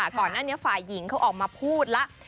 ก่อนหน้านี้ฝ่ายหญิงเขาออกมาพูดแล้ว